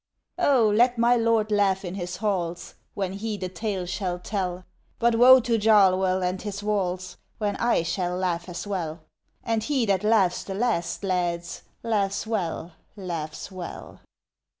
Oh, let my lord laugh in his halls When he the tale shall tell! But woe to Jarlwell and its walls When I shall laugh as well! And he that laughs the last, lads, Laughs well, laughs well!